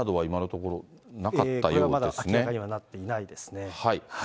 これはまだ明らかになっていないですね。